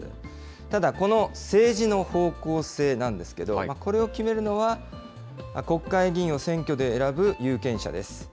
ただ、この政治の方向性なんですけど、これを決めるのは、国会議員を選挙で選ぶ有権者です。